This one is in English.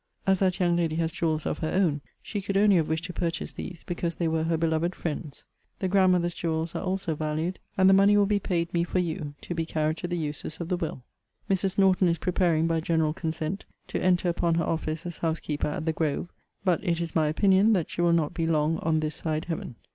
As that young lady has jewels of her own, she could only have wished to purchase these because they were her beloved friend's. The grandmother's jewels are also valued; and the money will be paid me for you, to be carried to the uses of the will. Mrs. Norton is preparing, by general consent, to enter upon her office as housekeeper at The Grove. But it is my opinion that she will not be long on this side Heaven.